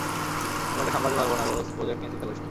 আমি এটা সামলাতে পারব না, দোস্ত - প্রজেক্ট নিয়ে চিন্তা করিস না।